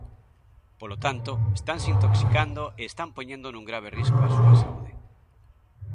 Polo tanto, estanse intoxicando e están poñendo nun grave risco a súa saúde.